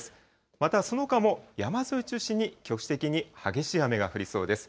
またそのほかも、山沿いを中心に局地的に激しい雨が降りそうです。